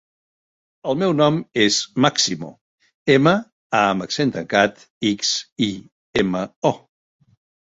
El meu nom és Máximo: ema, a amb accent tancat, ics, i, ema, o.